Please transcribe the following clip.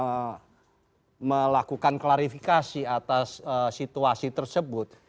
tapi saya ingin melakukan klarifikasi atas situasi tersebut